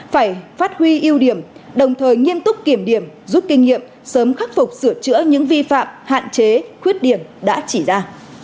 phải phát huy ưu điểm đồng thời nghiêm túc kiểm điểm rút kinh nghiệm sớm khắc phục sửa chữa những vi phạm hạn chế khuyết điểm đã chỉ ra